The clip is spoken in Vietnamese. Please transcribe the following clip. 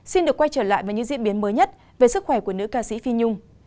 xin được quay trở lại với những diễn biến mới nhất về sức khỏe của nữ ca sĩ phi nhung